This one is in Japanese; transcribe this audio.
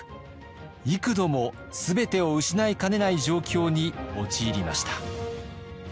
幾度も全てを失いかねない状況に陥りました。